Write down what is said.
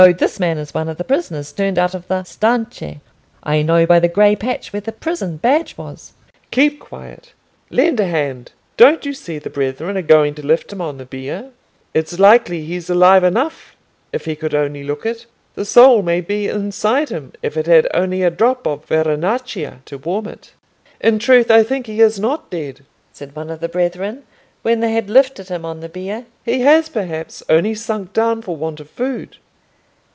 This man is one of the prisoners turned out of the Stinche. I know by the grey patch where the prison badge was." "Keep quiet! Lend a hand! Don't you see the brethren are going to lift him on the bier?" "It's likely he's alive enough if he could only look it. The soul may be inside him if it had only a drop of vernaccia to warm it." "In truth, I think he is not dead," said one of the brethren, when they had lifted him on the bier. "He has perhaps only sunk down for want of food."